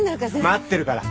待ってるから。